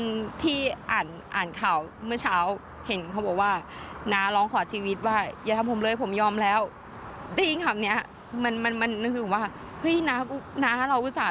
ตอนที่อ่านข่าวเมื่อเช้าเห็นข้อบอกว่า